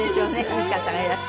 いい方がいらして。